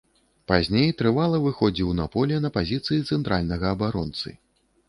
Пазней трывала выхадзіў на поле на пазіцыі цэнтральнага абаронцы.